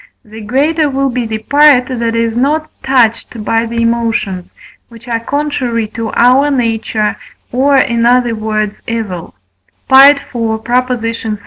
the greater will be the part that is not touched by the emotions, which are contrary to our nature, or in other words, evil (IV. xxx.).